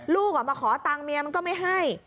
ลูกมาขอตังค์เมียมันก็ไม่ให้